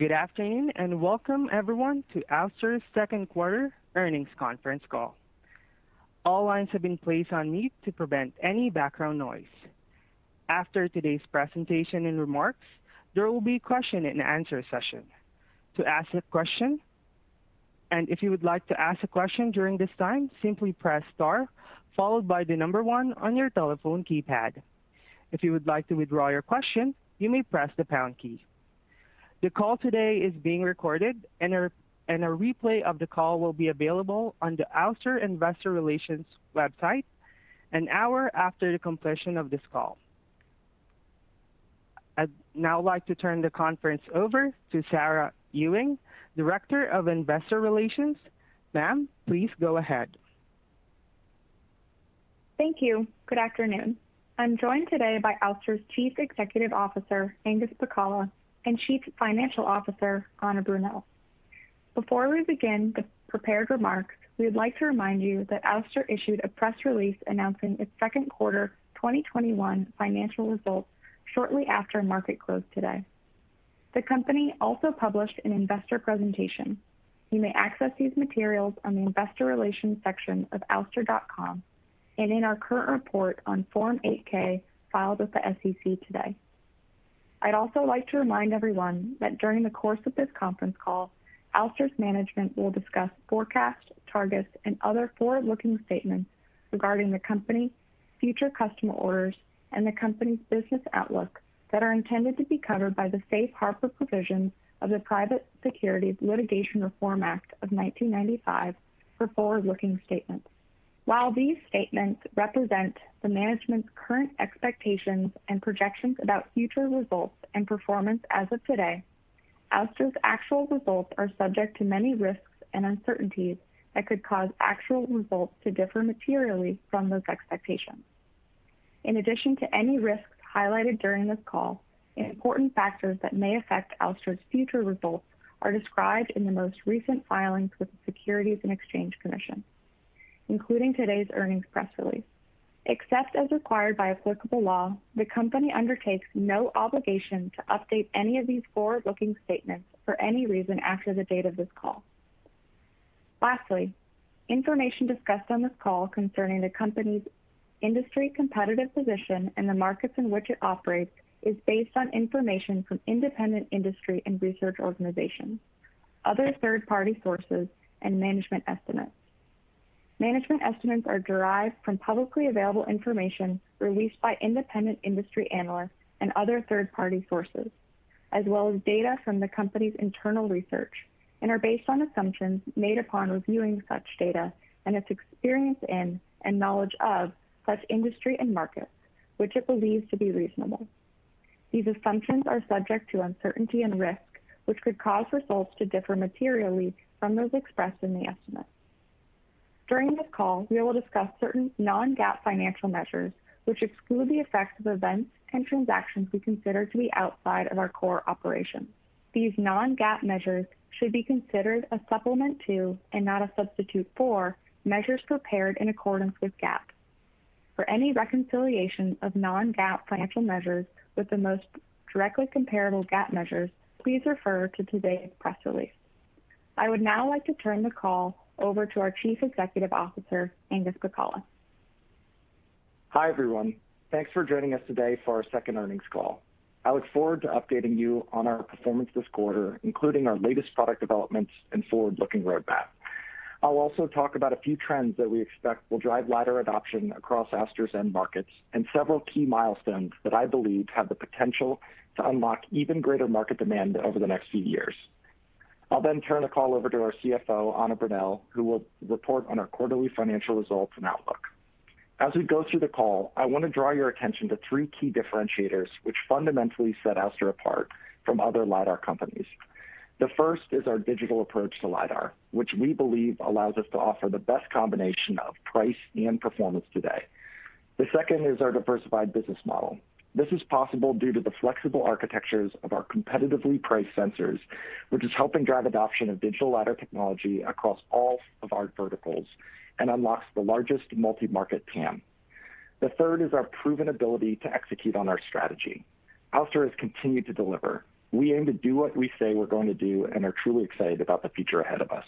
Good afternoon, and welcome everyone to Ouster's second quarter earnings conference call. All lines have been placed on mute to prevent any background noise. After today's presentation and remarks, there will be a question-and-answer session. If you would like to ask a question during this time, simply press star followed by the number one on your telephone keypad. If you would like to withdraw your question, you may press the pound key. The call today is being recorded, and a replay of the call will be available on the ouster.com Investor Relations website an hour after the completion of this call. I'd now like to turn the conference over to Sarah Ewing, Director of Investor Relations. Ma'am, please go ahead. Thank you. Good afternoon. I'm joined today by Ouster's Chief Executive Officer, Angus Pacala, and Chief Financial Officer, Anna Brunelle. Before we begin the prepared remarks, we would like to remind you that Ouster issued a press release announcing its second quarter 2021 financial results shortly after market close today. The company also published an investor presentation. You may access these materials on the investor relations section of ouster.com and in our current report on Form 8-K filed with the SEC today. I'd also like to remind everyone that during the course of this conference call, Ouster's management will discuss forecasts, targets, and other forward-looking statements regarding the company, future customer orders, and the company's business outlook that are intended to be covered by the safe harbor provisions of the Private Securities Litigation Reform Act of 1995 for forward-looking statements. While these statements represent the management's current expectations and projections about future results and performance as of today, Ouster's actual results are subject to many risks and uncertainties that could cause actual results to differ materially from those expectations. In addition to any risks highlighted during this call, important factors that may affect Ouster's future results are described in the most recent filings with the Securities and Exchange Commission, including today's earnings press release. Except as required by applicable law, the company undertakes no obligation to update any of these forward-looking statements for any reason after the date of this call. Lastly, information discussed on this call concerning the company's industry competitive position and the markets in which it operates is based on information from independent industry and research organizations, other third-party sources, and management estimates. Management estimates are derived from publicly available information released by independent industry analysts and other third-party sources, as well as data from the company's internal research, and are based on assumptions made upon reviewing such data and its experience in and knowledge of such industry and markets, which it believes to be reasonable. These assumptions are subject to uncertainty and risk, which could cause results to differ materially from those expressed in the estimates. During this call, we will discuss certain non-GAAP financial measures, which exclude the effects of events and transactions we consider to be outside of our core operations. These non-GAAP measures should be considered a supplement to and not a substitute for measures prepared in accordance with GAAP. For any reconciliation of non-GAAP financial measures with the most directly comparable GAAP measures, please refer to today's press release. I would now like to turn the call over to our Chief Executive Officer, Angus Pacala. Hi, everyone. Thanks for joining us today for our second earnings call. I look forward to updating you on our performance this quarter, including our latest product developments and forward-looking roadmap. I'll also talk about a few trends that we expect will drive lidar adoption across Ouster's end markets and several key milestones that I believe have the potential to unlock even greater market demand over the next few years. I'll turn the call over to our CFO, Anna Brunelle, who will report on our quarterly financial results and outlook. As we go through the call, I want to draw your attention to three key differentiators which fundamentally set Ouster apart from other lidar companies. The first is our digital approach to lidar, which we believe allows us to offer the best combination of price and performance today. The second is our diversified business model. This is possible due to the flexible architectures of our competitively priced sensors, which is helping drive adoption of digital lidar technology across all of our verticals and unlocks the largest multi-market TAM. The third is our proven ability to execute on our strategy. Ouster has continued to deliver. We aim to do what we say we're going to do and are truly excited about the future ahead of us.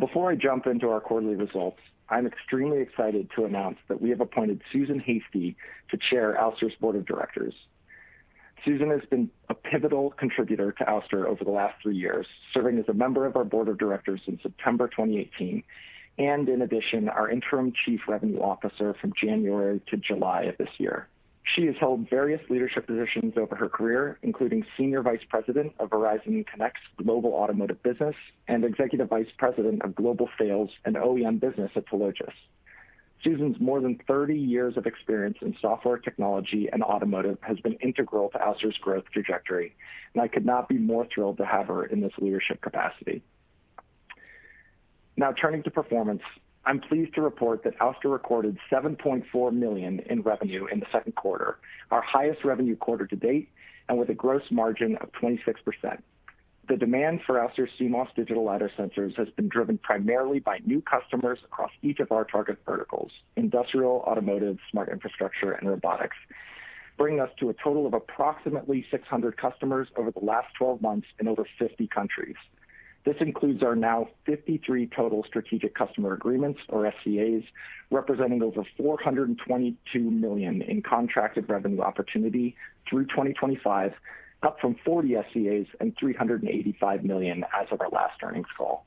Before I jump into our quarterly results, I'm extremely excited to announce that we have appointed Susan Heystee to Chair Ouster's Board of Directors. Susan Heystee has been a pivotal contributor to Ouster over the last three years, serving as a Member of our Board of Directors since September 2018 and, in addition, our Interim Chief Revenue Officer from January to July of this year. She has held various leadership positions over her career, including Senior Vice President of Verizon Connect's Global Automotive Business and Executive Vice President of global sales and OEM business at Telogis. Susan's more than 30 years of experience in software technology and automotive has been integral to Ouster's growth trajectory, and I could not be more thrilled to have her in this leadership capacity. Now turning to performance, I'm pleased to report that Ouster recorded $7.4 million in revenue in the second quarter, our highest revenue quarter to date and with a gross margin of 26%. The demand for Ouster's CMOS digital lidar sensors has been driven primarily by new customers across each of our target verticals: industrial, automotive, smart infrastructure, and robotics, bringing us to a total of approximately 600 customers over the last 12 months in over 50 countries. This includes our now 53 total Strategic Customer Agreements, or SCAs, representing over $422 million in contracted revenue opportunity through 2025, up from 40 SCAs and $385 million as of our last earnings call.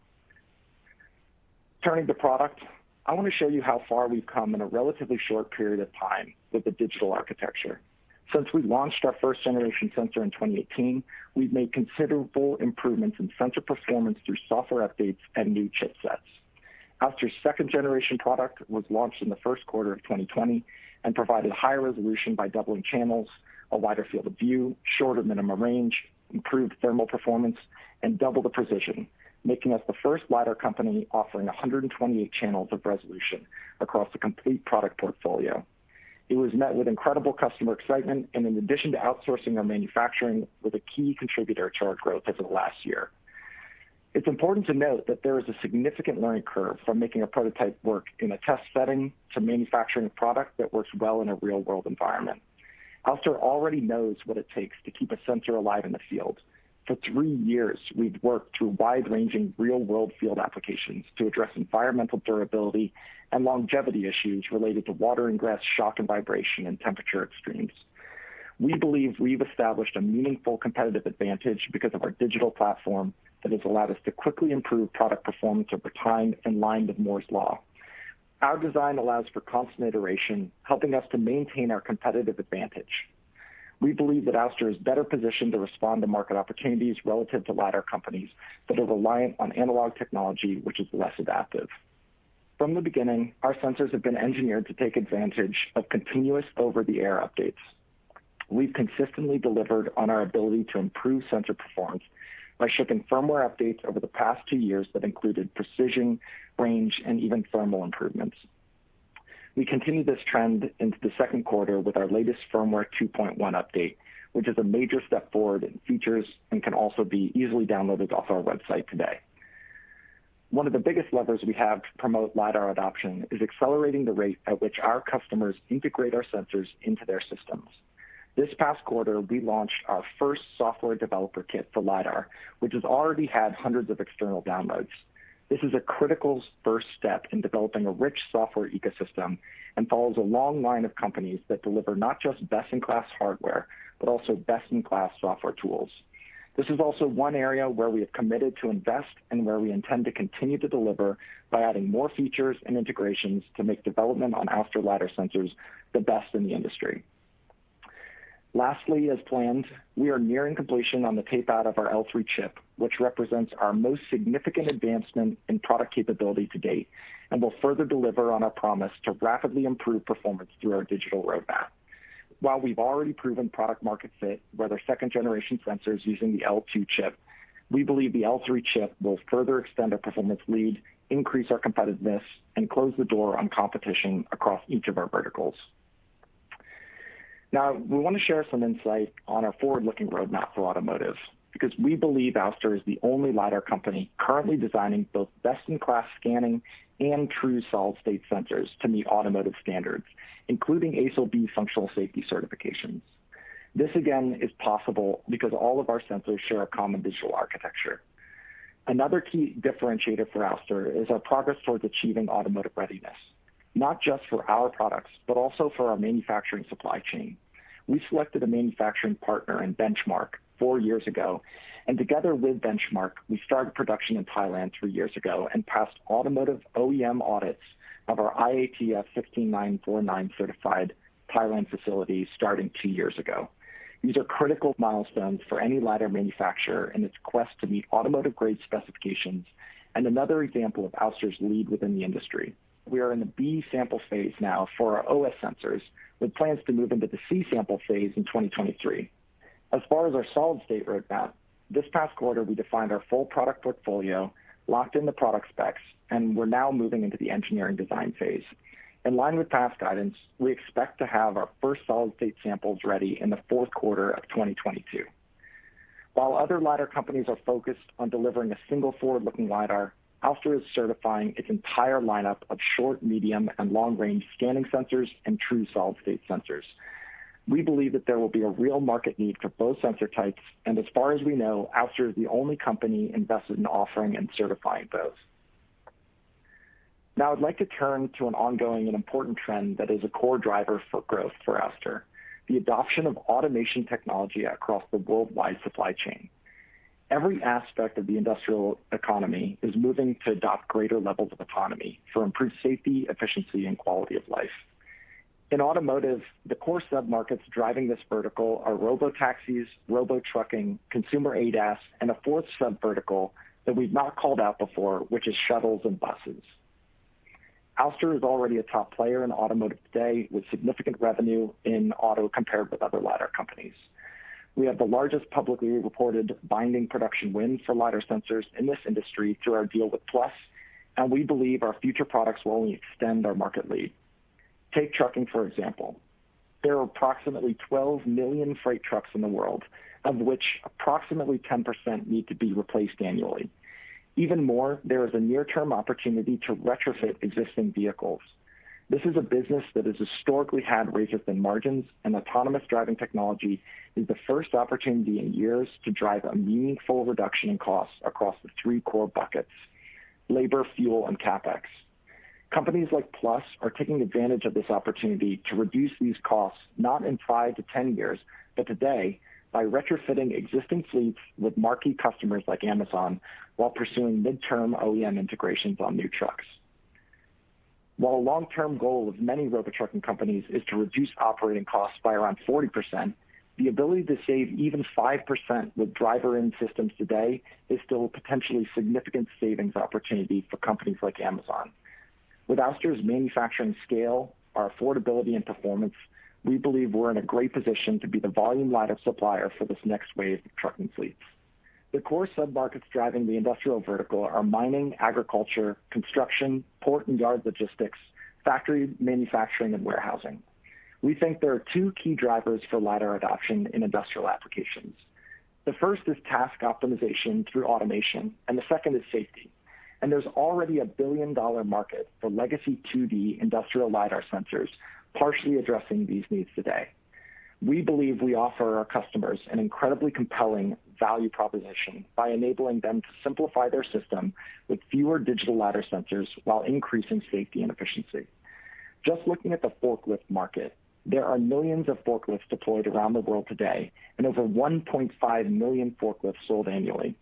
Turning to product, I want to show you how far we've come in a relatively short period of time with the digital architecture. Since we launched our first generation sensor in 2018, we've made considerable improvements in sensor performance through software updates and new chipsets. Ouster's second-generation product was launched in the first quarter of 2020 and provided higher resolution by doubling channels, a wider field of view, shorter minimum range, improved thermal performance, and double the precision, making us the first lidar company offering 128 channels of resolution across a complete product portfolio. It was met with incredible customer excitement, in addition to outsourcing our manufacturing, was a key contributor to our growth over the last year. It's important to note that there is a significant learning curve from making a prototype work in a test setting to manufacturing a product that works well in a real-world environment. Ouster already knows what it takes to keep a sensor alive in the field. For three years, we've worked through wide-ranging real-world field applications to address environmental durability and longevity issues related to water ingress, shock and vibration, and temperature extremes. We believe we've established a meaningful competitive advantage because of our digital platform that has allowed us to quickly improve product performance over time in line with Moore's law. Our design allows for constant iteration, helping us to maintain our competitive advantage. We believe that Ouster is better positioned to respond to market opportunities relative to lidar companies that are reliant on analog technology, which is less adaptive. From the beginning, our sensors have been engineered to take advantage of continuous over-the-air updates. We've consistently delivered on our ability to improve sensor performance by shipping firmware updates over the past two years that included precision, range, and even thermal improvements. We continue this trend into the second quarter with our latest firmware 2.1 update, which is a major step forward in features and can also be easily downloaded off our website today. One of the biggest levers we have to promote lidar adoption is accelerating the rate at which our customers integrate our sensors into their systems. This past quarter, we launched our first software developer kit for lidar, which has already had hundreds of external downloads. This is a critical first step in developing a rich software ecosystem and follows a long line of companies that deliver not just best-in-class hardware, but also best-in-class software tools. This is also one area where we have committed to invest and where we intend to continue to deliver by adding more features and integrations to make development on Ouster lidar sensors the best in the industry. Lastly, as planned, we are nearing completion on the tape-out of our L3 chip, which represents our most significant advancement in product capability to date and will further deliver on our promise to rapidly improve performance through our digital roadmap. While we've already proven product market fit with our second-generation sensors using the L2 chip, we believe the L3 chip will further extend our performance lead, increase our competitiveness, and close the door on competition across each of our verticals. Now, we want to share some insight on our forward-looking roadmap for automotive, because we believe Ouster is the only lidar company currently designing both best-in-class scanning and true solid-state sensors to meet automotive standards, including ASIL-B functional safety certifications. This, again, is possible because all of our sensors share a common digital architecture. Another key differentiator for Ouster is our progress towards achieving automotive readiness, not just for our products, but also for our manufacturing supply chain. We selected a manufacturing partner in Benchmark four years ago, and together with Benchmark, we started production in Thailand three years ago and passed automotive OEM audits of our IATF 16949 certified Thailand facility starting two years ago. These are critical milestones for any lidar manufacturer in its quest to meet automotive-grade specifications, and another example of Ouster's lead within the industry. We are in the B-sample phase now for our OS sensors, with plans to move into the C-sample phase in 2023. As far as our solid-state roadmap, this past quarter, we defined our full product portfolio, locked in the product specs, and we're now moving into the engineering design phase. In line with past guidance, we expect to have our first solid-state samples ready in the fourth quarter of 2022. While other lidar companies are focused on delivering a single forward-looking lidar, Ouster is certifying its entire lineup of short, medium, and long-range scanning sensors and true solid-state sensors. We believe that there will be a real market need for both sensor types, and as far as we know, Ouster is the only company invested in offering and certifying both. Now I'd like to turn to an ongoing and important trend that is a core driver for growth for Ouster, the adoption of automation technology across the worldwide supply chain. Every aspect of the industrial economy is moving to adopt greater levels of autonomy for improved safety, efficiency, and quality of life. In automotive, the core sub-markets driving this vertical are robotaxis, robotrucking, consumer ADAS, and a fourth sub-vertical that we've not called out before, which is shuttles and buses. Ouster is already a top player in automotive today, with significant revenue in auto compared with other lidar companies. We have the largest publicly reported binding production wins for lidar sensors in this industry through our deal with Plus, and we believe our future products will only extend our market lead. Take trucking, for example. There are approximately 12 million freight trucks in the world, of which approximately 10% need to be replaced annually. Even more, there is a near-term opportunity to retrofit existing vehicles. This is a business that has historically had razor-thin margins, and autonomous driving technology is the first opportunity in years to drive a meaningful reduction in costs across the three core buckets: labor, fuel, and CapEx. Companies like Plus are taking advantage of this opportunity to reduce these costs not in 5-10 years, but today by retrofitting existing fleets with marquee customers like Amazon while pursuing mid-term OEM integrations on new trucks. While a long-term goal of many robotrucking companies is to reduce operating costs by around 40%, the ability to save even 5% with driver-in systems today is still a potentially significant savings opportunity for companies like Amazon. With Ouster's manufacturing scale, our affordability, and performance, we believe we're in a great position to be the volume lidar supplier for this next wave of trucking fleets. The core sub-markets driving the industrial vertical are mining, agriculture, construction, port and yard logistics, factory manufacturing, and warehousing. We think there are two key drivers for lidar adoption in industrial applications. The first is task optimization through automation, and the second is safety. There's already a billion-dollar market for legacy 2D industrial lidar sensors partially addressing these needs today. We believe we offer our customers an incredibly compelling value proposition by enabling them to simplify their system with fewer digital lidar sensors while increasing safety and efficiency. Just looking at the forklift market, there are millions of forklifts deployed around the world today, and over 1.5 million forklifts sold annually.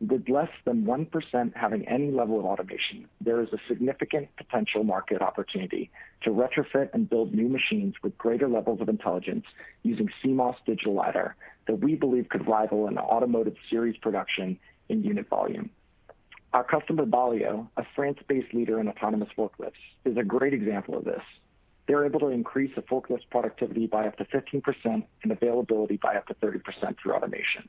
With less than 1% having any level of automation, there is a significant potential market opportunity to retrofit and build new machines with greater levels of intelligence using CMOS digital lidar that we believe could rival an automotive series production in unit volume. Our customer, BALYO, a France-based leader in autonomous forklifts, is a great example of this. They're able to increase the forklift's productivity by up to 15% and availability by up to 30% through automation.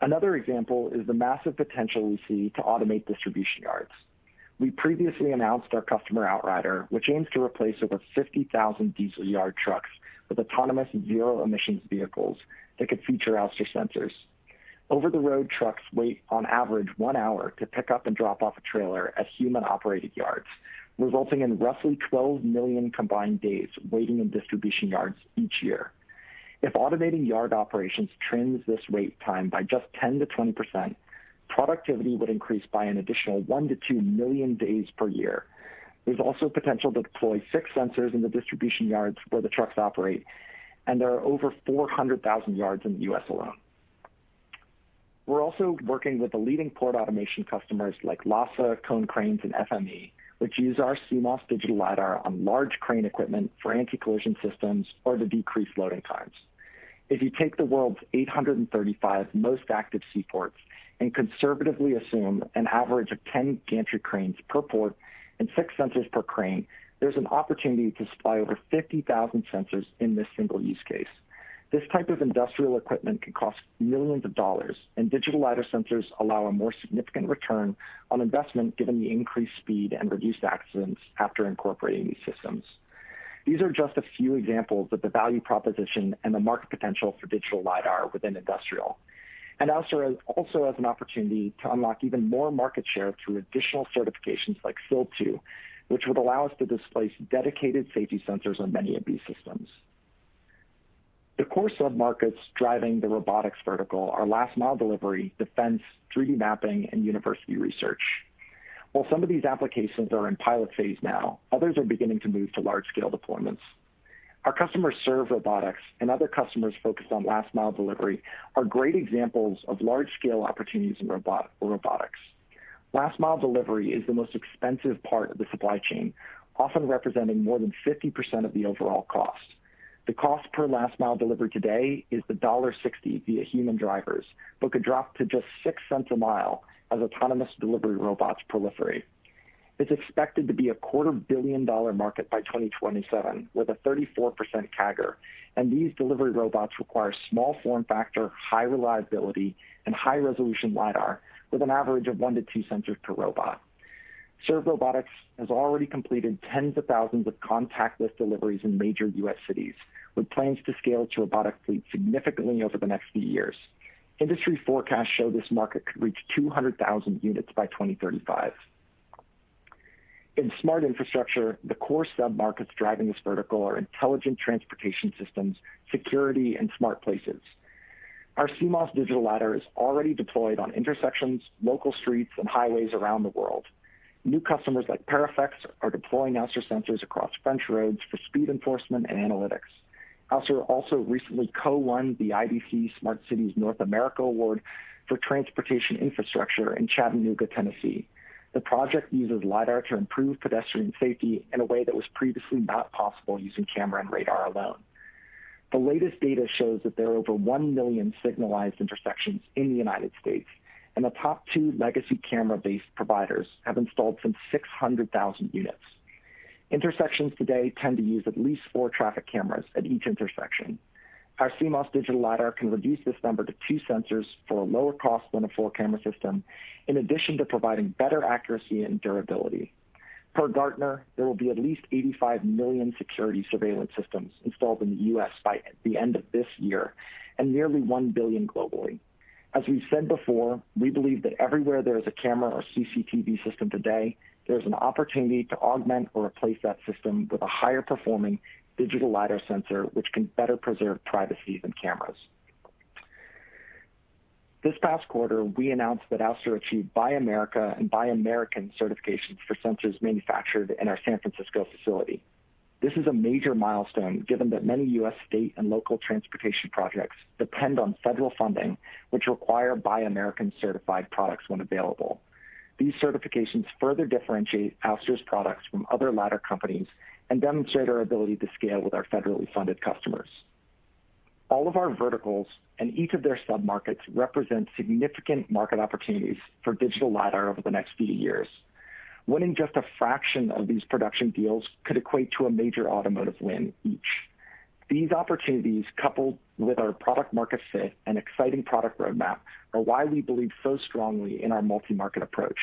Another example is the massive potential we see to automate distribution yards. We previously announced our customer, Outrider, which aims to replace over 50,000 diesel yard trucks with autonomous zero-emissions vehicles that could feature Ouster sensors. Over-the-road trucks wait on average one hour to pick up and drop off a trailer at human-operated yards, resulting in roughly 12 million combined days waiting in distribution yards each year. If automating yard operations trims this wait time by just 10%-20%, productivity would increase by an additional 1 million-2 million days per year. There's also potential to deploy six sensors in the distribution yards where the trucks operate, and there are over 400,000 yards in the U.S. alone. We're also working with the leading port automation customers like LASE, Konecranes, and FME, which use our CMOS digital lidar on large crane equipment for anti-collision systems or to decrease loading times. If you take the world's 835 most active seaports and conservatively assume an average of 10 gantry cranes per port and 6 sensors per crane, there's an opportunity to supply over 50,000 sensors in this single use case. This type of industrial equipment can cost millions of dollars, and digital lidar sensors allow a more significant return on investment given the increased speed and reduced accidents after incorporating these systems. These are just a few examples of the value proposition and the market potential for digital lidar within industrial. Ouster also has an opportunity to unlock even more market share through additional certifications like SIL-2, which would allow us to displace dedicated safety sensors on many of these systems. The core sub-markets driving the robotics vertical are last mile delivery, defense, 3D mapping, and university research. While some of these applications are in pilot phase now, others are beginning to move to large-scale deployments. Our customer, Serve Robotics, and other customers focused on last mile delivery are great examples of large-scale opportunities in robotics. Last mile delivery is the most expensive part of the supply chain, often representing more than 50% of the overall cost. The cost per last mile delivery today is $1.60 via human drivers but could drop to just $0.06 a mile as autonomous delivery robots proliferate. It's expected to be a quarter-billion-dollar market by 2027, with a 34% CAGR. These delivery robots require small form factor, high reliability, and high-resolution lidar with an average of 1 to 2 sensors per robot. Serve Robotics has already completed tens of thousands of contactless deliveries in major U.S. cities, with plans to scale its robotic fleet significantly over the next few years. Industry forecasts show this market could reach 200,000 units by 2035. In smart infrastructure, the core sub-markets driving this vertical are intelligent transportation systems, security, and smart places. Our CMOS digital lidar is already deployed on intersections, local streets, and highways around the world. New customers like PARIFEX are deploying Ouster sensors across French roads for speed enforcement and analytics. Ouster also recently co-won the IDC Smart Cities North America Awards for transportation infrastructure in Chattanooga, Tennessee. The project uses lidar to improve pedestrian safety in a way that was previously not possible using camera and radar alone. The latest data shows that there are over 1 million signalized intersections in the U.S., and the top two legacy camera-based providers have installed some 600,000 units. Intersections today tend to use at least four traffic cameras at each intersection. Our CMOS digital lidar can reduce this number to two sensors for a lower cost than a four-camera system, in addition to providing better accuracy and durability. Per Gartner, there will be at least 85 million security surveillance systems installed in the U.S. by the end of this year and nearly 1 billion globally. As we've said before, we believe that everywhere there is a camera or CCTV system today, there's an opportunity to augment or replace that system with a higher-performing digital lidar sensor, which can better preserve privacy than cameras. This past quarter, we announced that Ouster achieved Buy America and Buy American certifications for sensors manufactured in our San Francisco facility. This is a major milestone given that many U.S. state and local transportation projects depend on federal funding, which requires Buy American certified products when available. These certifications further differentiate Ouster's products from other lidar companies and demonstrate our ability to scale with our federally funded customers. All of our verticals and each of their sub-markets represent significant market opportunities for digital lidar over the next few years. Winning just a fraction of these production deals could equate to a major automotive win each. These opportunities, coupled with our product market fit and exciting product roadmap, are why we believe so strongly in our multi-market approach.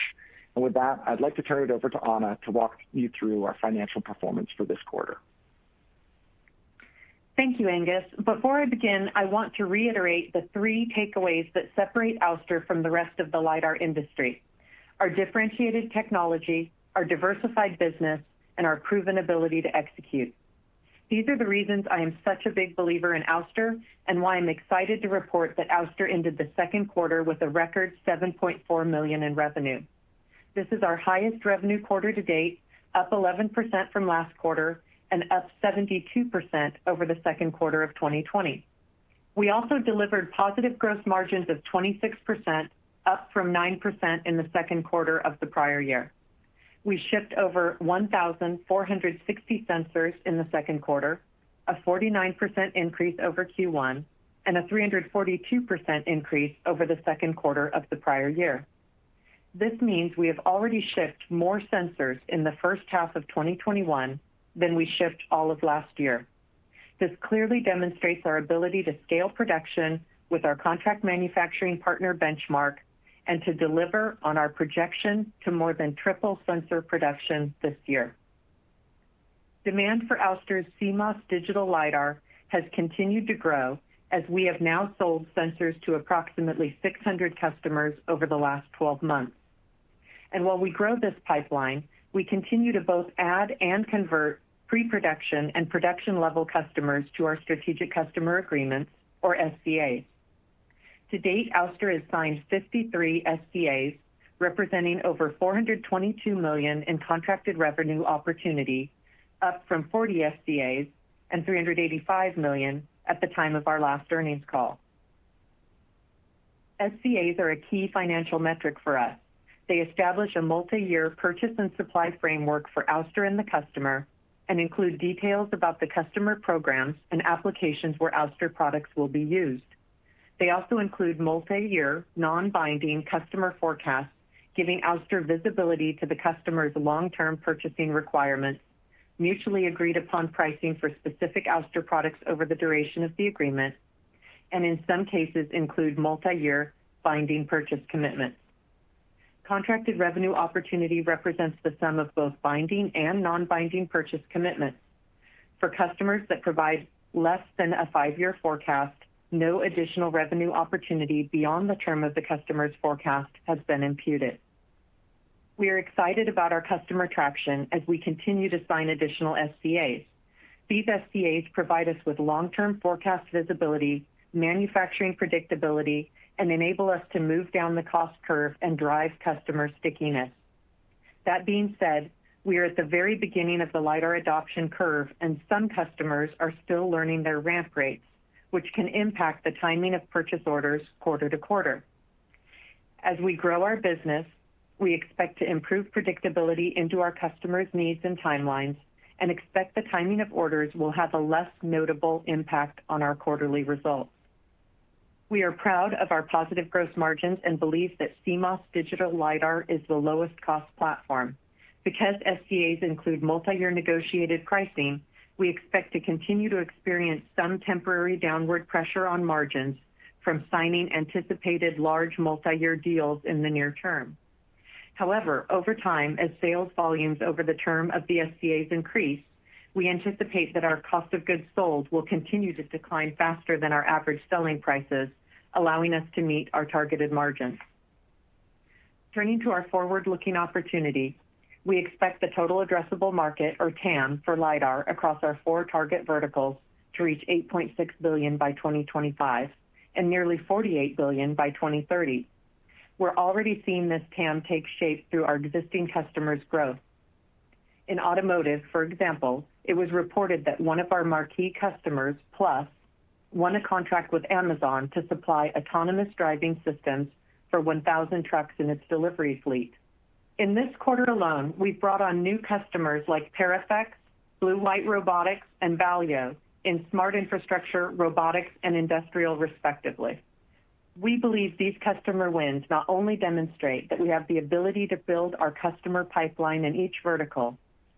With that, I'd like to turn it over to Anna to walk you through our financial performance for this quarter. Thank you, Angus. Before I begin, I want to reiterate the three takeaways that separate Ouster from the rest of the lidar industry. Our differentiated technology, our diversified business, and our proven ability to execute. These are the reasons I am such a big believer in Ouster, and why I'm excited to report that Ouster ended the second quarter with a record $7.4 million in revenue. This is our highest revenue quarter to date, up 11% from last quarter, and up 72% over the second quarter of 2020. We also delivered positive gross margins of 26%, up from 9% in the second quarter of the prior year. We shipped over 1,460 sensors in the second quarter, a 49% increase over Q1, and a 342% increase over the second quarter of the prior year. This means we have already shipped more sensors in the first half of 2021 than we shipped all of last year. This clearly demonstrates our ability to scale production with our contract manufacturing partner, Benchmark, and to deliver on our projection to more than triple sensor production this year. Demand for Ouster's CMOS digital lidar has continued to grow as we have now sold sensors to approximately 600 customers over the last 12 months. While we grow this pipeline, we continue to both add and convert pre-production and production level customers to our Strategic Customer Agreements or SCAs. To date, Ouster has signed 53 SCAs representing over $422 million in contracted revenue opportunity, up from 40 SCAs and $385 million at the time of our last earnings call. SCAs are a key financial metric for us. They establish a multiyear purchase and supply framework for Ouster and the customer and include details about the customer programs and applications where Ouster products will be used. They also include multiyear, non-binding customer forecasts, giving Ouster visibility to the customer's long-term purchasing requirements, mutually agreed-upon pricing for specific Ouster products over the duration of the agreement, and in some cases, include multiyear binding purchase commitments. Contracted revenue opportunity represents the sum of both binding and non-binding purchase commitments. For customers that provide less than a five-year forecast, no additional revenue opportunity beyond the term of the customer's forecast has been imputed. We are excited about our customer traction as we continue to sign additional SCAs. These SCAs provide us with long-term forecast visibility, manufacturing predictability, and enable us to move down the cost curve and drive customer stickiness. That being said, we are at the very beginning of the lidar adoption curve, and some customers are still learning their ramp rates, which can impact the timing of purchase orders quarter to quarter. As we grow our business, we expect to improve predictability into our customers' needs and timelines and expect the timing of orders will have a less notable impact on our quarterly results. We are proud of our positive gross margins and believe that CMOS digital lidar is the lowest cost platform. Because SCAs include multiyear negotiated pricing, we expect to continue to experience some temporary downward pressure on margins from signing anticipated large multiyear deals in the near term. However, over time, as sales volumes over the term of the SCAs increase, we anticipate that our cost of goods sold will continue to decline faster than our average selling prices, allowing us to meet our targeted margins. Turning to our forward-looking opportunity, we expect the total addressable market, or TAM, for lidar across our four target verticals to reach $8.6 billion by 2025 and nearly $48 billion by 2030. We're already seeing this TAM take shape through our existing customers' growth. In automotive, for example, it was reported that one of our marquee customers, Plus, won a contract with Amazon to supply autonomous driving systems for 1,000 trucks in its delivery fleet. In this quarter alone, we've brought on new customers like PARIFEX, Blue White Robotics, and BALYO in smart infrastructure, robotics, and industrial, respectively. We believe these customer wins not only demonstrate that we have the ability to build our customer pipeline in each vertical,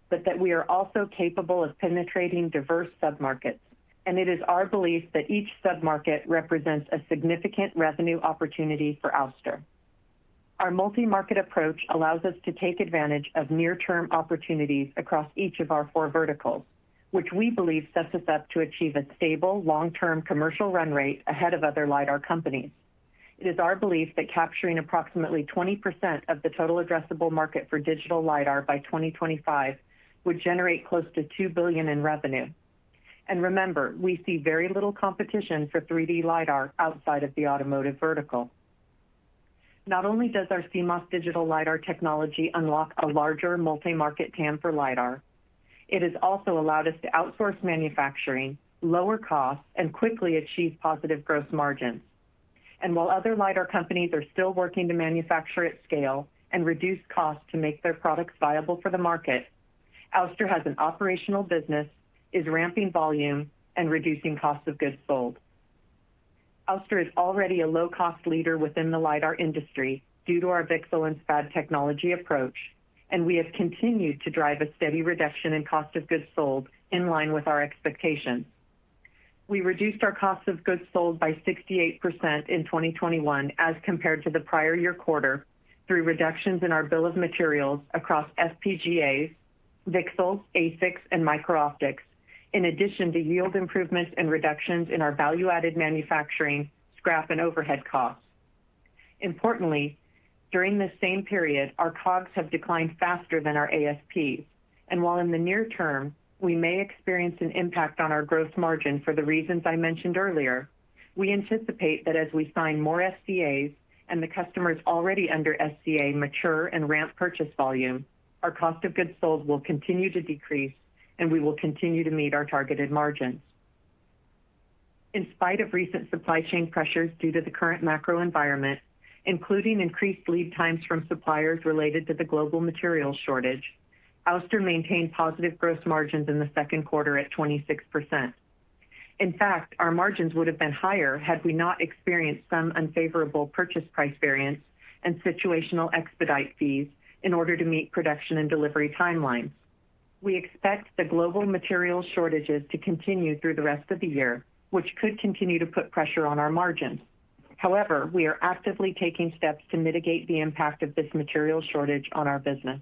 but that we are also capable of penetrating diverse sub-markets. It is our belief that each sub-market represents a significant revenue opportunity for Ouster. Our multi-market approach allows us to take advantage of near-term opportunities across each of our four verticals, which we believe sets us up to achieve a stable, long-term commercial run rate ahead of other lidar companies. It is our belief that capturing approximately 20% of the total addressable market for digital lidar by 2025 would generate close to $2 billion in revenue. Remember, we see very little competition for 3D lidar outside of the automotive vertical. Not only does our CMOS digital lidar technology unlock a larger multi-market TAM for lidar, it has also allowed us to outsource manufacturing, lower costs, and quickly achieve positive gross margins. While other lidar companies are still working to manufacture at scale and reduce costs to make their products viable for the market, Ouster has an operational business, is ramping volume, and reducing cost of goods sold. Ouster is already a low-cost leader within the lidar industry due to our VCSEL and SPAD technology approach, and we have continued to drive a steady reduction in cost of goods sold in line with our expectations. We reduced our cost of goods sold by 68% in 2021 as compared to the prior year quarter through reductions in our bill of materials across FPGAs, VCSELs, ASICs, and micro-optics, in addition to yield improvements and reductions in our value-added manufacturing, scrap and overhead costs. Importantly, during this same period, our COGS have declined faster than our ASPs. While in the near term, we may experience an impact on our gross margin for the reasons I mentioned earlier, we anticipate that as we sign more SCAs and the customers already under SCA mature and ramp purchase volume, our cost of goods sold will continue to decrease and we will continue to meet our targeted margins. In spite of recent supply chain pressures due to the current macro environment, including increased lead times from suppliers related to the global material shortage, Ouster maintained positive gross margins in the second quarter at 26%. In fact, our margins would have been higher had we not experienced some unfavorable purchase price variance and situational expedite fees in order to meet production and delivery timelines. We expect the global material shortages to continue through the rest of the year, which could continue to put pressure on our margins. However, we are actively taking steps to mitigate the impact of this material shortage on our business.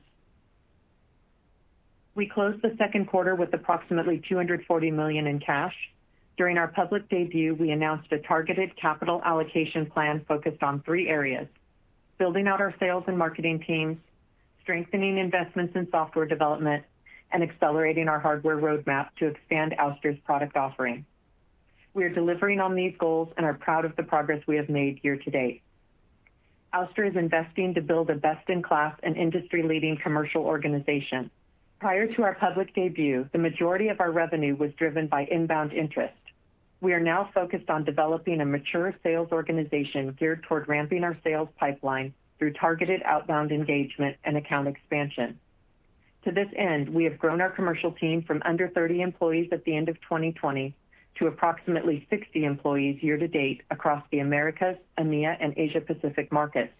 We closed the second quarter with approximately $240 million in cash. During our public debut, we announced a targeted capital allocation plan focused on 3 areas, building out our sales and marketing teams, strengthening investments in software development, and accelerating our hardware roadmap to expand Ouster's product offering. We are delivering on these goals and are proud of the progress we have made year to date. Ouster is investing to build a best-in-class and industry-leading commercial organization. Prior to our public debut, the majority of our revenue was driven by inbound interest. We are now focused on developing a mature sales organization geared toward ramping our sales pipeline through targeted outbound engagement and account expansion. To this end, we have grown our commercial team from under 30 employees at the end of 2020 to approximately 60 employee's year to date across the Americas, EMEA, and Asia Pacific markets.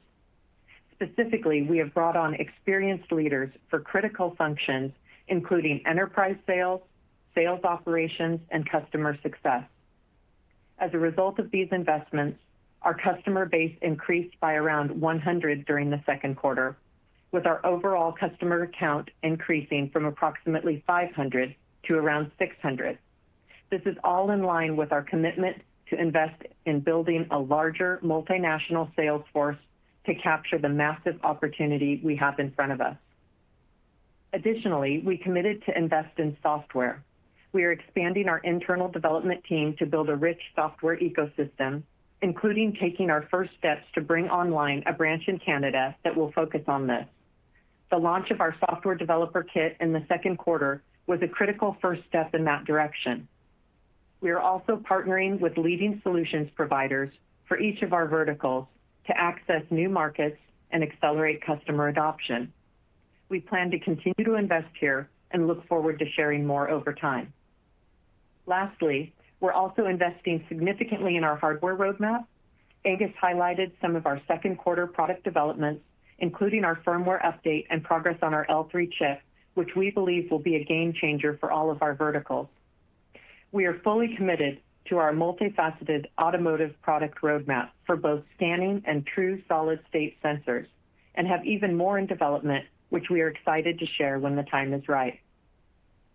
Specifically, we have brought on experienced leaders for critical functions, including enterprise sales operations, and customer success. As a result of these investments, our customer base increased by around 100 during the second quarter, with our overall customer count increasing from approximately 500 to around 600. This is all in line with our commitment to invest in building a larger multinational sales force to capture the massive opportunity we have in front of us. Additionally, we committed to invest in software. We are expanding our internal development team to build a rich software ecosystem, including taking our first steps to bring online a branch in Canada that will focus on this. The launch of our software developer kit in the second quarter was a critical first step in that direction. We are also partnering with leading solutions providers for each of our verticals to access new markets and accelerate customer adoption. We plan to continue to invest here and look forward to sharing more over time. Lastly, we're also investing significantly in our hardware roadmap. Angus highlighted some of our second quarter product developments, including our firmware update and progress on our L3 chip, which we believe will be a game changer for all of our verticals. We are fully committed to our multifaceted automotive product roadmap for both scanning and true solid-state sensors, and have even more in development, which we are excited to share when the time is right.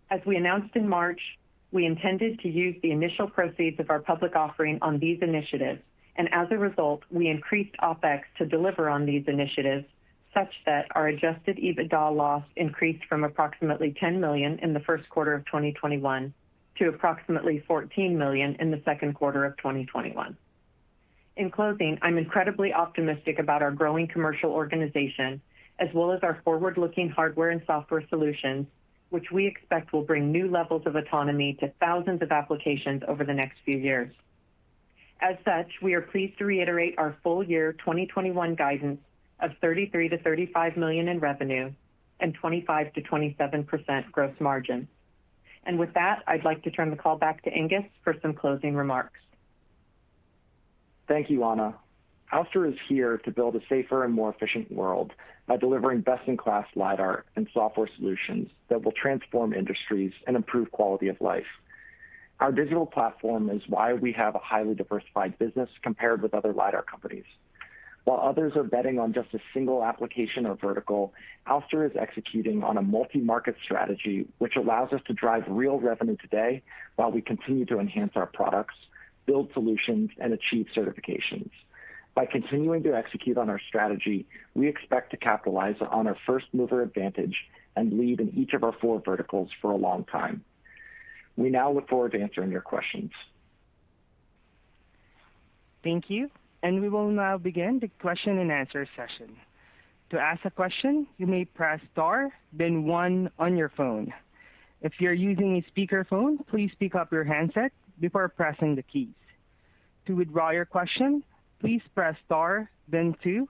As we announced in March, we intended to use the initial proceeds of our public offering on these initiatives, and as a result, we increased OpEx to deliver on these initiatives such that our adjusted EBITDA loss increased from approximately $10 million in the first quarter of 2021 to approximately $14 million in the second quarter of 2021. In closing, I'm incredibly optimistic about our growing commercial organization, as well as our forward-looking hardware and software solutions, which we expect will bring new levels of autonomy to thousands of applications over the next few years. As such, we are pleased to reiterate our full-year 2021 guidance of $33 million-$35 million in revenue and 25%-27% gross margin. With that, I'd like to turn the call back to Angus for some closing remarks. Thank you, Anna. Ouster is here to build a safer and more efficient world by delivering best-in-class lidar and software solutions that will transform industries and improve quality of life. Our digital platform is why we have a highly diversified business compared with other lidar companies. While others are betting on just a single application or vertical, Ouster is executing on a multi-market strategy, which allows us to drive real revenue today while we continue to enhance our products, build solutions, and achieve certifications. By continuing to execute on our strategy, we expect to capitalize on our first-mover advantage and lead in each of our four verticals for a long time. We now look forward to answering your questions. Thank you. We will now begin the question-and-answer session. To ask a question, you may press star then one on your phone. If you're using a speakerphone, please pick up your handset before pressing the keys. To withdraw your question, please press star then two.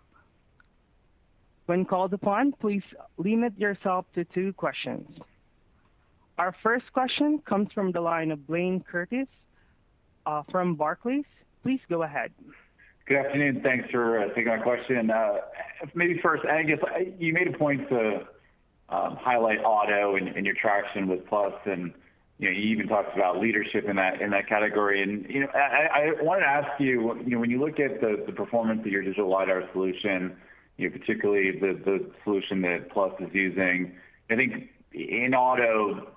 When called upon, please limit yourself to two questions. Our first question comes from the line of Blayne Curtis from Barclays. Please go ahead. Good afternoon. Thanks for taking my question. Maybe first, Angus, you made a point to highlight auto in your traction with Plus, and you even talked about leadership in that category. I wanted to ask you, when you look at the performance of your digital lidar solution, particularly the solution that Plus is using, I think in auto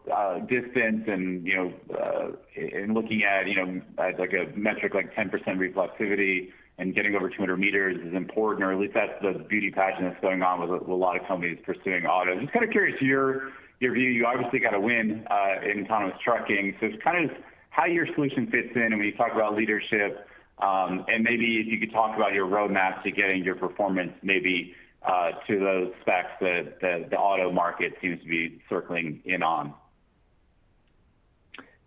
distance and looking at a metric like 10% reflectivity and getting over 200 m is important, or at least that's the beauty pageant that's going on with a lot of companies pursuing auto. Just kind of curious your view. You obviously got a win in autonomous trucking, so just how your solution fits in when you talk about leadership, and maybe if you could talk about your roadmap to getting your performance maybe to those specs that the auto market seems to be circling in on.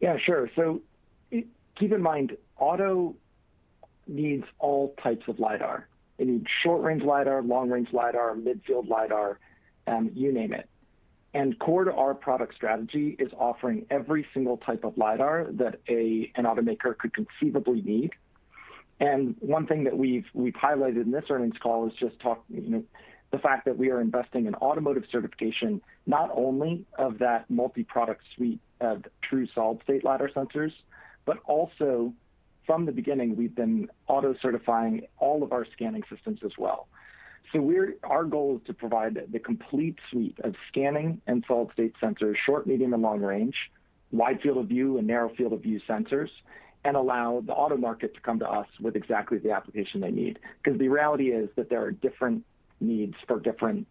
Yeah, sure. Keep in mind, auto needs all types of lidar. They need short-range lidar, long-range lidar, mid-field lidar, you name it. Core to our product strategy is offering every single type of lidar that an automaker could conceivably need. One thing that we've highlighted in this earnings call is just the fact that we are investing in automotive certification, not only of that multi-product suite of true solid-state lidar sensors, but also, from the beginning, we've been auto certifying all of our scanning systems as well. Our goal is to provide the complete suite of scanning and solid-state sensors, short, medium, and long range, wide field of view and narrow field of view sensors, and allow the auto market to come to us with exactly the application they need. Because the reality is that there are different needs for different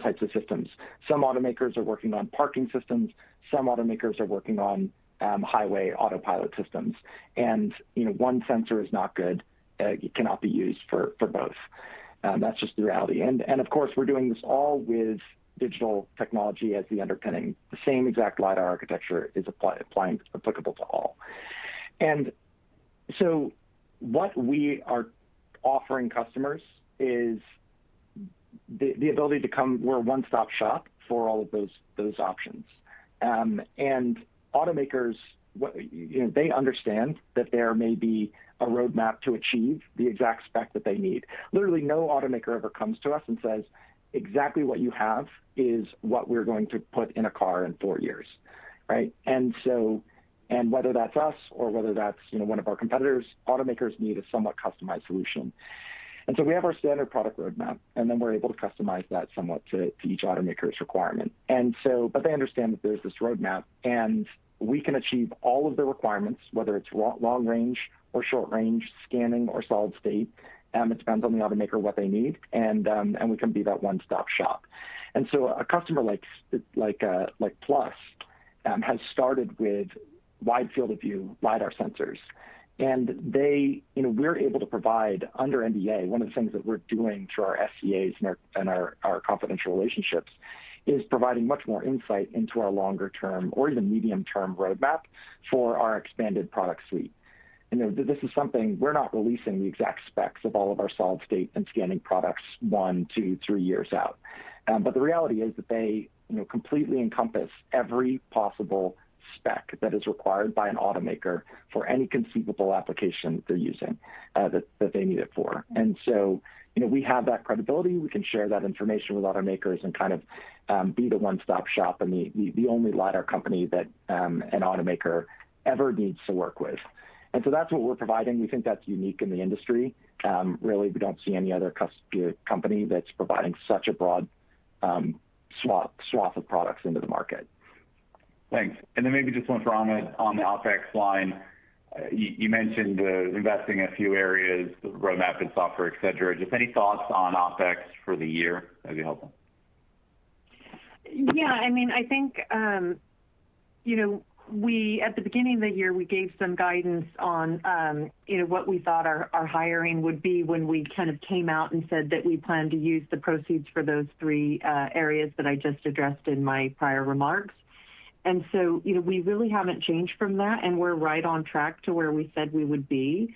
types of systems. Some automakers are working on parking systems, some automakers are working on highway autopilot systems. One sensor is not good. It cannot be used for both. That's just the reality. Of course, we're doing this all with digital technology as the underpinning. The same exact lidar architecture is applicable to all. What we are offering customers is the ability to come. We're a one-stop shop for all of those options. Automakers, they understand that there may be a roadmap to achieve the exact spec that they need. Literally, no automaker ever comes to us and says, "Exactly what you have is what we're going to put in a car in four years." Right. Whether that's us or whether that's one of our competitors, automakers need a somewhat customized solution. We have our standard product roadmap, we're able to customize that somewhat to each automaker's requirement. They understand that there's this roadmap, and we can achieve all of the requirements, whether it's long range or short range, scanning or solid state. It depends on the automaker, what they need. We can be that one-stop shop. A customer like Plus has started with wide field of view lidar sensors. We're able to provide under NDA, one of the things that we're doing through our SCAs and our confidential relationships is providing much more insight into our longer-term or even medium-term roadmap for our expanded product suite. This is something we're not releasing the exact specs of all of our solid state and scanning products one, two, three years out. The reality is that they completely encompass every possible spec that is required by an automaker for any conceivable application they're using that they need it for. We have that credibility. We can share that information with automakers and kind of be the one-stop shop and the only lidar company that an automaker ever needs to work with. That's what we're providing. We think that's unique in the industry. Really, we don't see any other company that's providing such a broad swath of products into the market. Thanks. Maybe just one for Anna on the OpEx line. You mentioned investing in a few areas, the roadmap and software, et cetera. Just any thoughts on OpEx for the year would be helpful. Yeah, I think at the beginning of the year, we gave some guidance on what we thought our hiring would be when we kind of came out and said that we planned to use the proceeds for those three areas that I just addressed in my prior remarks. We really haven't changed from that, and we're right on track to where we said we would be.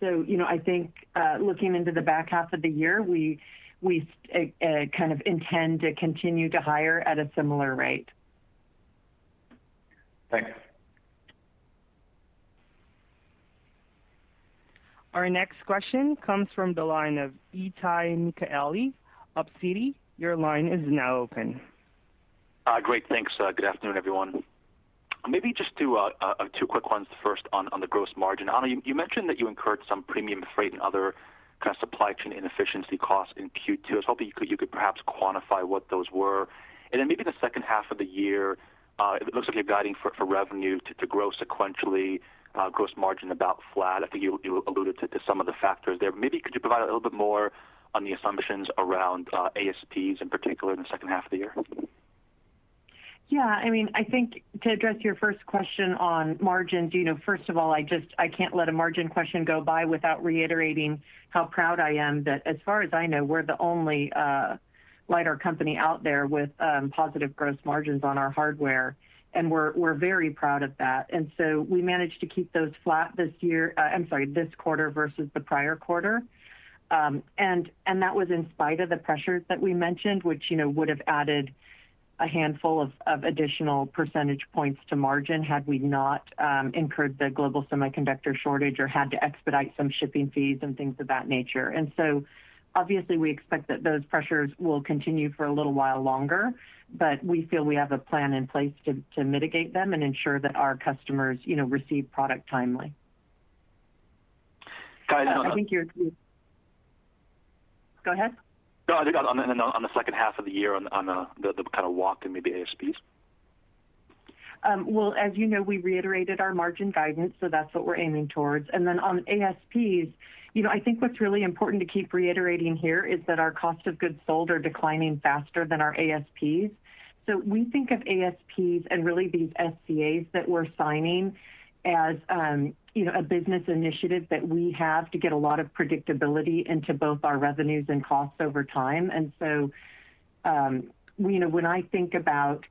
I think, looking into the back half of the year, we kind of intend to continue to hire at a similar rate. Thanks. Our next question comes from the line of Itay Michaeli of Citi. Your line is now open. Great. Thanks. Good afternoon, everyone. Maybe just two quick ones. First, on the gross margin. Ana, you mentioned that you incurred some premium freight and other kind of supply chain inefficiency costs in Q2. I was hoping you could perhaps quantify what those were. Then maybe the second half of the year, it looks like you're guiding for revenue to grow sequentially, gross margin about flat. I think you alluded to some of the factors there. Maybe could you provide a little bit more on the assumptions around ASPs, in particular in the second half of the year? Yeah. I think to address your first question on margins, first of all, I can't let a margin question go by without reiterating how proud I am that, as far as I know, we're the only lidar company out there with positive gross margins on our hardware, and we're very proud of that. We managed to keep those flat this quarter versus the prior quarter. That was in spite of the pressures that we mentioned, which would've added a handful of additional percentage points to margin had we not incurred the global semiconductor shortage or had to expedite some shipping fees and things of that nature. Obviously, we expect that those pressures will continue for a little while longer, but we feel we have a plan in place to mitigate them and ensure that our customers receive product timely. Guys- I think you're mute. Go ahead. No. On the second half of the year, on the kind of walk in maybe ASPs. As you know, we reiterated our margin guidance, that's what we're aiming towards. On ASPs, I think what's really important to keep reiterating here is that our cost of goods sold are declining faster than our ASPs. We think of ASPs and really these SCAs that we're signing as a business initiative that we have to get a lot of predictability into both our revenues and costs over time. When I think about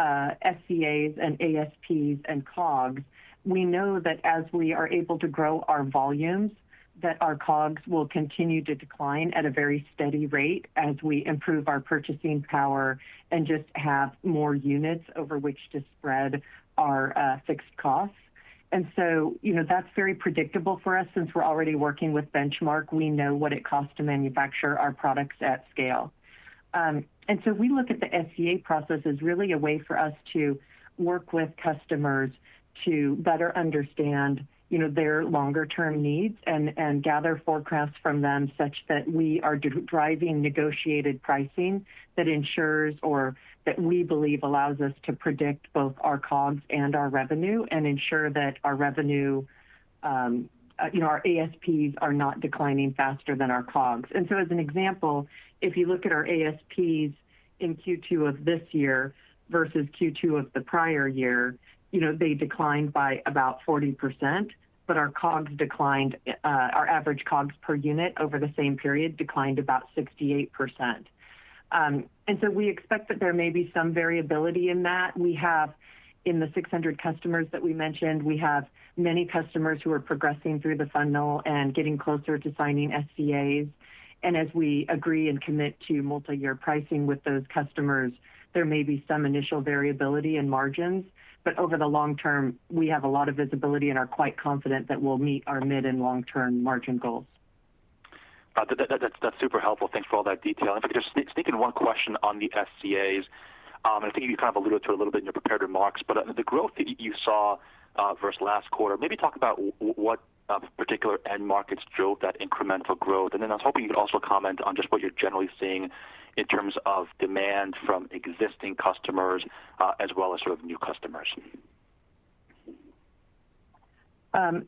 SCAs and ASPs and COGS, we know that as we are able to grow our volumes, that our COGS will continue to decline at a very steady rate as we improve our purchasing power and just have more units over which to spread our fixed costs. That's very predictable for us since we're already working with Benchmark. We know what it costs to manufacture our products at scale. We look at the SCA process as really a way for us to work with customers to better understand their longer term needs and gather forecasts from them, such that we are driving negotiated pricing that ensures or that we believe allows us to predict both our COGS and our revenue and ensure that our ASPs are not declining faster than our COGS. As an example, if you look at our ASPs in Q2 of this year versus Q2 of the prior year, they declined by about 40%, but our average COGS per unit over the same period declined about 68%. We expect that there may be some variability in that. In the 600 customers that we mentioned, we have many customers who are progressing through the funnel and getting closer to signing SCAs. As we agree and commit to multi-year pricing with those customers, there may be some initial variability in margins. Over the long term, we have a lot of visibility and are quite confident that we'll meet our mid and long-term margin goals. Got it. That's super helpful. Thanks for all that detail. If I could just sneak in one question on the SCAs. I think you kind of alluded to it a little bit in your prepared remarks, but the growth that you saw versus last quarter, maybe talk about what particular end markets drove that incremental growth. Then I was hoping you could also comment on just what you're generally seeing in terms of demand from existing customers, as well as sort of new customers.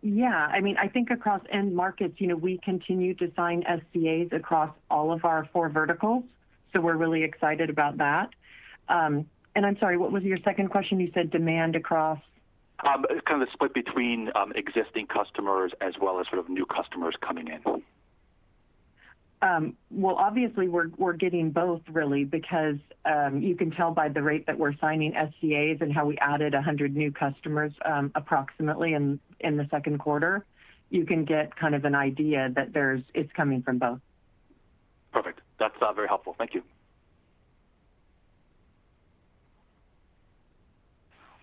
Yeah. I think across end markets, we continue to sign SCAs across all of our four verticals, so we're really excited about that. I'm sorry, what was your second question? You said demand across? Kind of a split between existing customers as well as sort of new customers coming in. Well, obviously, we're getting both really, because you can tell by the rate that we're signing SCAs and how we added 100 new customers approximately in the second quarter. You can get kind of an idea that it's coming from both. Perfect. That's very helpful. Thank you.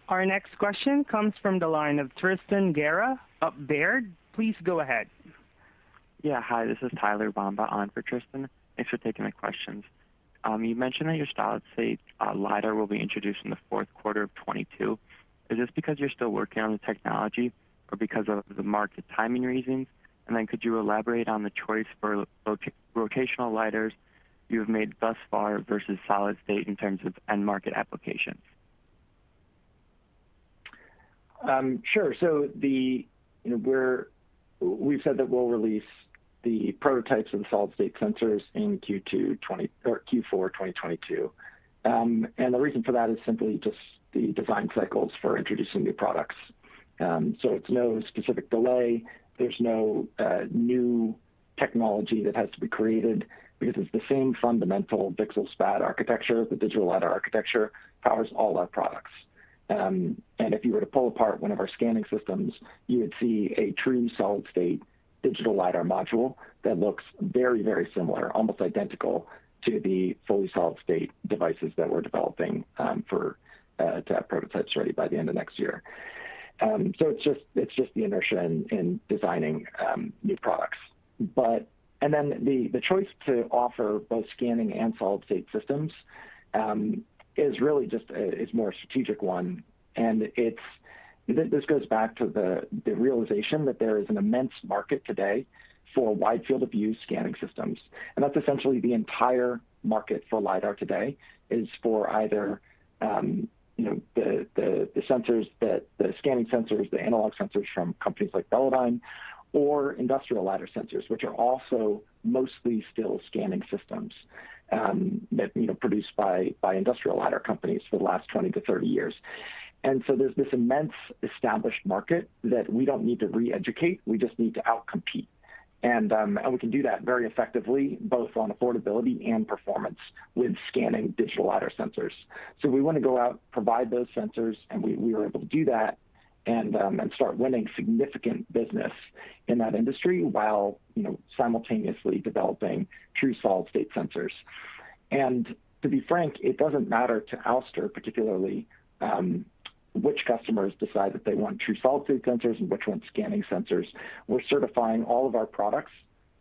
Our next question comes from the line of Tristan Gerra of Baird. Please go ahead. Yeah. Hi. This is Tyler Bomba on for Tristan. Thanks for taking the questions. You mentioned that your solid-state lidar will be introduced in the fourth quarter of 2022. Is this because you're still working on the technology or because of the market timing reasons? Could you elaborate on the choice for rotational lidars you have made thus far versus solid state in terms of end market applications? Sure. We've said that we'll release the prototypes of the solid-state sensors in Q4 2022. The reason for that is simply just the design cycles for introducing new products. It's no specific delay. There's no new technology that has to be created because it's the same fundamental VCSEL SPAD architecture. The digital lidar architecture powers all our products. If you were to pull apart one of our scanning systems, you would see a true solid-state digital lidar module that looks very similar, almost identical to the fully solid-state devices that we're developing to have prototypes ready by the end of next year. It's just the inertia in designing new products. The choice to offer both scanning and solid-state systems is really just a more strategic one. This goes back to the realization that there is an immense market today for wide field of view scanning systems. That's essentially the entire market for lidar today is for either the scanning sensors, the analog sensors from companies like Velodyne or industrial lidar sensors, which are also mostly still scanning systems that produce by industrial lidar companies for the last 20-30 years. There's this immense established market that we don't need to re-educate, we just need to out-compete. We can do that very effectively, both on affordability and performance with scanning digital lidar sensors. We want to go out, provide those sensors, and we are able to do that and start winning significant business in that industry while simultaneously developing true solid-state sensors. To be frank, it doesn't matter to Ouster particularly which customers decide that they want true solid-state sensors and which want scanning sensors. We're certifying all of our products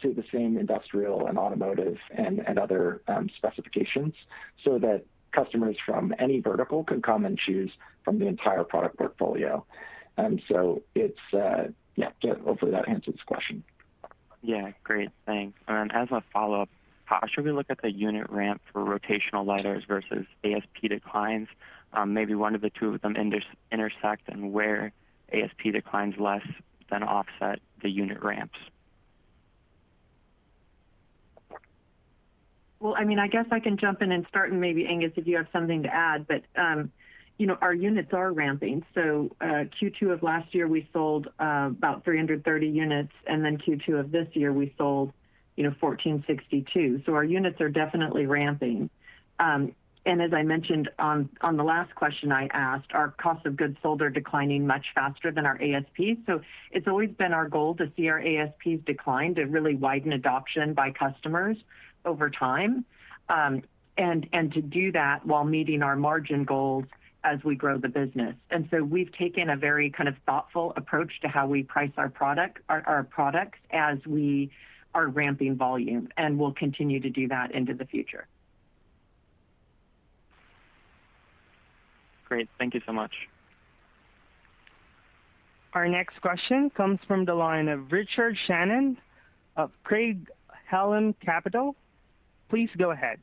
to the same industrial and automotive and other specifications so that customers from any vertical can come and choose from the entire product portfolio. Hopefully that answers the question. Yeah. Great. Thanks. As a follow-up, how should we look at the unit ramp for rotational lidars versus ASP declines? Maybe one of the two of them intersects and where ASP declines less than offset the unit ramps. I guess I can jump in and start, and maybe Angus, if you have something to add. Our units are ramping. Q2 of last year, we sold about 330 units, and then Q2 of this year, we sold 1,462. Our units are definitely ramping. As I mentioned on the last question I asked, our cost of goods sold are declining much faster than our ASP. It's always been our goal to see our ASPs decline, to really widen adoption by customers over time. To do that while meeting our margin goals as we grow the business. We've taken a very kind of thoughtful approach to how we price our products as we are ramping volume, and we'll continue to do that into the future. Great. Thank you so much. Our next question comes from the line of Richard Shannon of Craig-Hallum Capital. Please go ahead.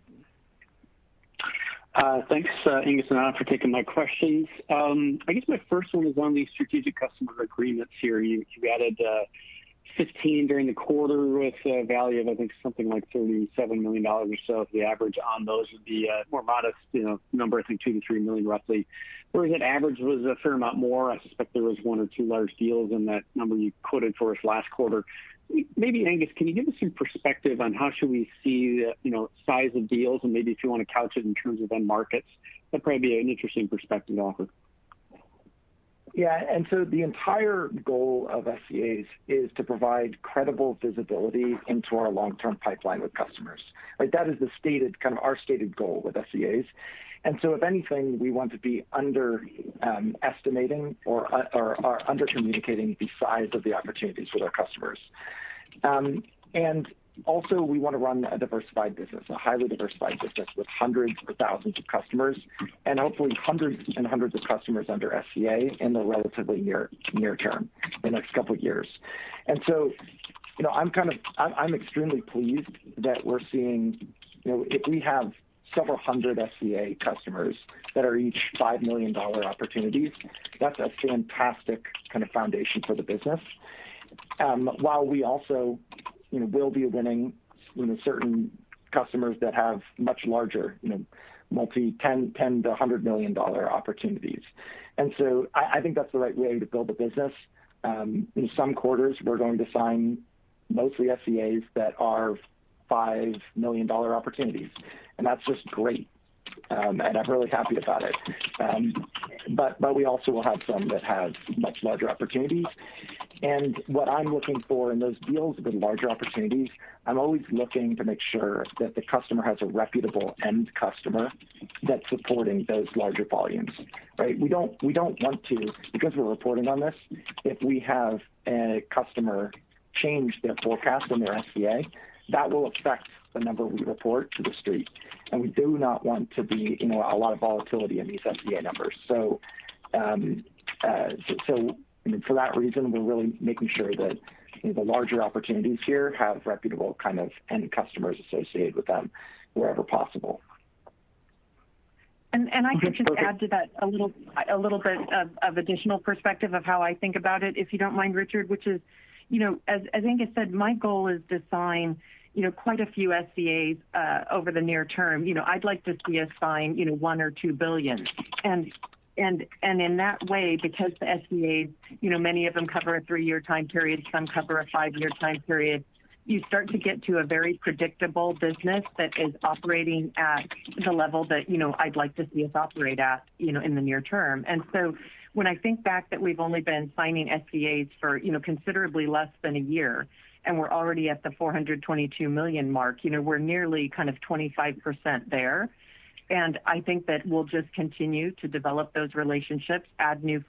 Thanks, Angus and Anna, for taking my questions. I guess my first one was on the Strategic Customer Agreements here. You added 15 during the quarter with a value of, I think, something like $37 million or so. The average on those would be a more modest number, I think, $2 million-$3 million roughly, whereas that average was a fair amount more. I suspect there was one or two large deals in that number you quoted for us last quarter. Maybe Angus, can you give us some perspective on how should we see the size of deals and maybe if you want to couch it in terms of end markets, that'd probably be an interesting perspective to offer. Yeah. The entire goal of SCAs is to provide credible visibility into our long-term pipeline with customers, right? That is the kind of our stated goal with SCAs. If anything, we want to be underestimating or under-communicating the size of the opportunities with our customers. Also, we want to run a diversified business, a highly diversified business with hundreds of thousands of customers, and hopefully hundreds and hundreds of customers under SCA in the relatively near term, the next couple of years. I'm extremely pleased that we're seeing if we have several hundred SCA customers that are each $5 million opportunities, that's a fantastic kind of foundation for the business. While we also will be winning certain customers that have much larger multi $10 million to $100 million opportunities. I think that's the right way to build a business. In some quarters, we're going to sign mostly SCAs that are $5 million opportunities, that's just great. I'm really happy about it. We also will have some that have much larger opportunities. What I'm looking for in those deals with larger opportunities, I'm always looking to make sure that the customer has a reputable end customer that's supporting those larger volumes, right? Because we're reporting on this, if we have a customer change their forecast in their SCA, that will affect the number we report to the Street. We do not want to be a lot of volatility in these SCA numbers. For that reason, we're really making sure that the larger opportunities here have reputable kinds of end customers associated with them wherever possible. I can just add to that a little bit of additional perspective of how I think about it, if you don't mind, Richard, which is, as Angus said, my goal is to sign quite a few SCAs over the near term. I'd like to see us sign $1 billion or $2 billion. In that way, because the SCAs, many of them cover a three-year time period, some cover a five-year time period. You start to get to a very predictable business that is operating at the level that I'd like to see us operate at in the near term. When I think back that we've only been signing SCAs for considerably less than a year, we're already at the $422 million mark, we're nearly kind of 25% there. I think that we'll just continue to develop those relationships, add new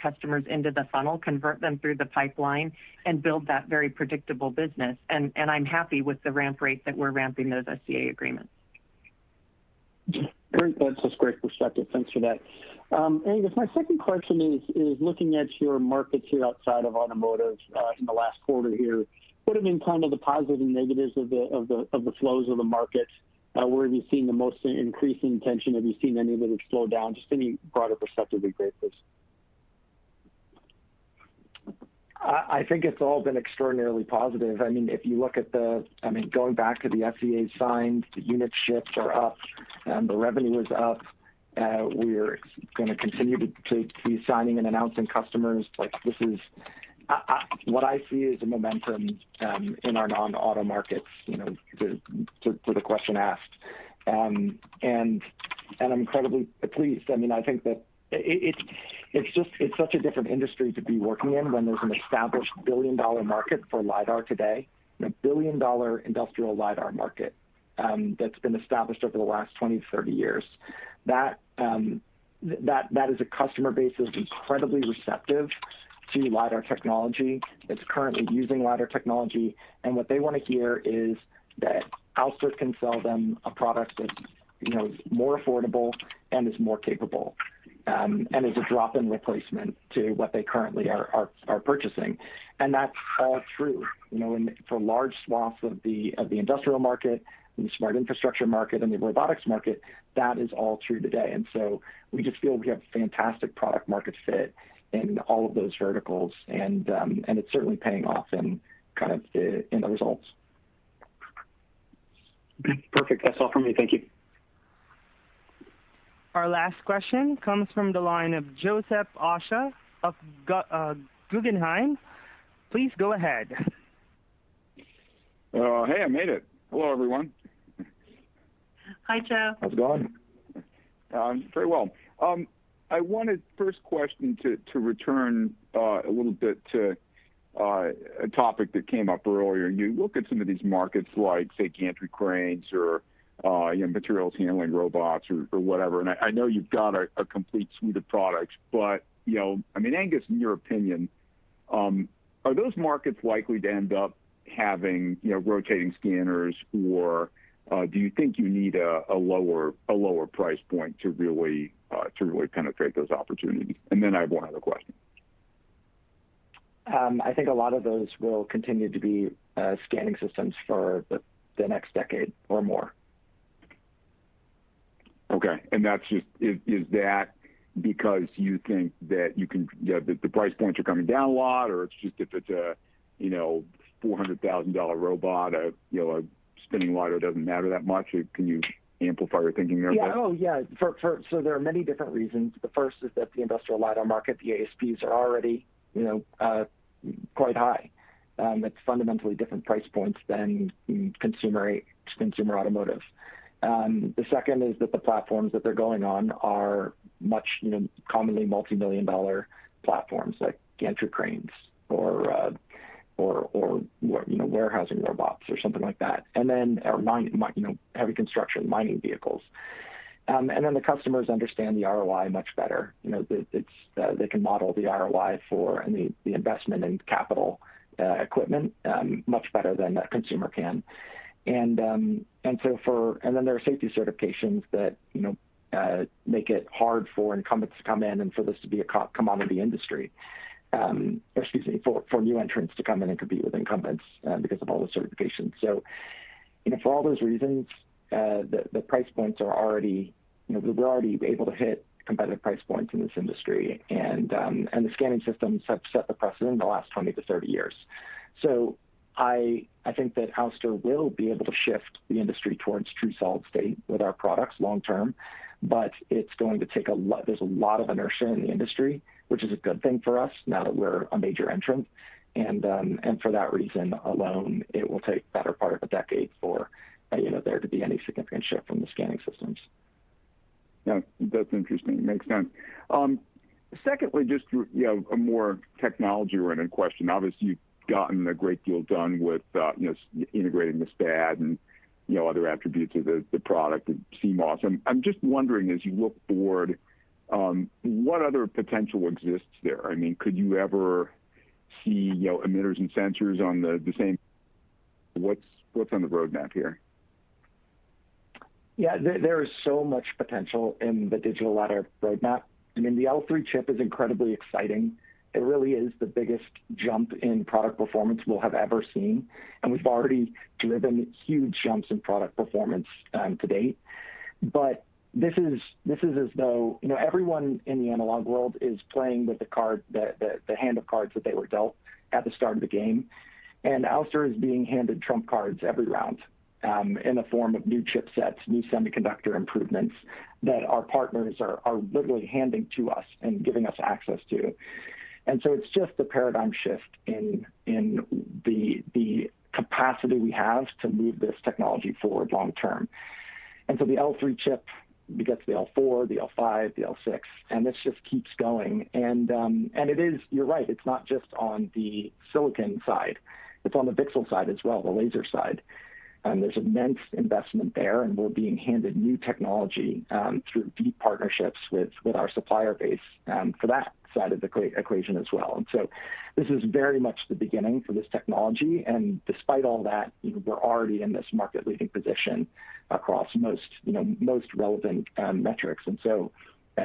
customers into the funnel, convert them through the pipeline, and build that very predictable business. I'm happy with the ramp rate that we're ramping those SCA agreements. Great. That's just great perspective. Thanks for that. Angus, my second question is looking at your markets here outside of automotive in the last quarter here, what have been the positives and negatives of the flows of the market? Where have you seen the most increasing tension? Have you seen any of it slow down? Just any broader perspective would be great, please. I think it's all been extraordinarily positive. If you look at going back to the SCAs signed, the unit shifts are up, and the revenue is up. We're going to continue to be signing and announcing customers. What I see is a momentum in our non-auto markets, to the question asked. I'm incredibly pleased. I think that it's such a different industry to be working in when there's an established billion-dollar market for lidar today, a billion-dollar industrial lidar market that's been established over the last 20-30 years. That is a customer base that is incredibly receptive to lidar technology. It's currently using lidar technology. What they want to hear is that Ouster can sell them a product that's more affordable and is more capable and is a drop-in replacement to what they currently are purchasing. That's all true. For large swaths of the industrial market and the smart infrastructure market and the robotics market, that is all true today. We just feel we have fantastic product-market fit in all of those verticals. It's certainly paying off in the results. Perfect. That's all for me. Thank you. Our last question comes from the line of Joseph Osha of Guggenheim. Please go ahead. Oh, hey, I made it. Hello, everyone. Hi, Joe. How's it going? Very well. I wanted first question to return a little bit to a topic that came up earlier. You look at some of these markets like, say, gantry cranes or materials handling robots or whatever, and I know you've got a complete suite of products. Angus, in your opinion, are those markets likely to end up having rotating scanners, or do you think you need a lower price point to really penetrate those opportunities? I have one other question. I think a lot of those will continue to be scanning systems for the next decade or more. Okay. Is that because you think that the price points are coming down a lot, or it's just if it's a $400,000 robot, a spinning lidar doesn't matter that much? Can you amplify your thinking there a bit? Yeah. There are many different reasons. The first is that the industrial lidar market, the ASPs are already quite high. It's fundamentally different price points than consumer automotive. The second is that the platforms that they're going on are much commonly multimillion-dollar platforms like gantry cranes or warehousing robots or something like that, and heavy construction mining vehicles. The customers understand the ROI much better. They can model the ROI for the investment in capital equipment much better than a consumer can. There are safety certifications that make it hard for incumbents to come in and for this to be a commodity industry. Excuse me, for new entrants to come in and compete with incumbents because of all the certifications. For all those reasons, we're already able to hit competitive price points in this industry. The scanning systems have set the precedent in the last 20-30 years. I think that Ouster will be able to shift the industry towards true solid state with our products long term. There's a lot of inertia in the industry, which is a good thing for us now that we're a major entrant. For that reason alone, it will take the better part of a decade for there to be any significant shift from the scanning systems. Yeah. That's interesting. Makes sense. Secondly, just a more technology-oriented question. Obviously, you've gotten a great deal done with integrating the SPAD and other attributes of the product and CMOS. I'm just wondering, as you look forward, what other potential exists there? Could you ever see emitters and sensors? What's on the roadmap here? Yeah, there is so much potential in the digital lidar roadmap. The L3 chip is incredibly exciting. It really is the biggest jump in product performance we'll have ever seen. We've already driven huge jumps in product performance to date. This is as though everyone in the analog world is playing with the hand of cards that they were dealt at the start of the game. Ouster is being handed trump cards every round in the form of new chipsets, new semiconductor improvements that our partners are literally handing to us and giving us access to. It's just a paradigm shift in the capacity we have to move this technology forward long-term. The L3 chip, you get to the L4, the L5, the L6, and this just keeps going. You're right, it's not just on the silicon side, it's on the VCSEL side as well, the laser side. There's immense investment there, and we're being handed new technology through deep partnerships with our supplier base for that side of the equation as well. This is very much the beginning for this technology. Despite all that, we're already in this market-leading position across most relevant metrics. Yeah,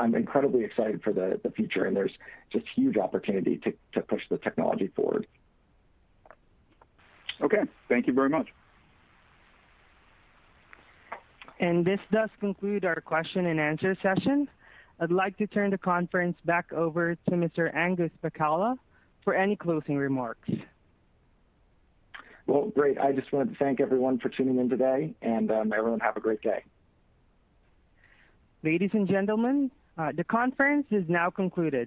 I'm incredibly excited for the future, and there's just a huge opportunity to push the technology forward. Okay. Thank you very much. This does conclude our question-and-answer session. I'd like to turn the conference back over to Mr. Angus Pacala for any closing remarks. Well, great. I just wanted to thank everyone for tuning in today. Everyone have a great day. Ladies and gentlemen, the conference is now concluded.